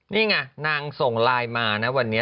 นี่ไงนางส่งไลน์มานะวันนี้